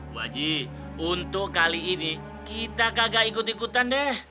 wajib untuk kali ini kita kagak ikut ikutan deh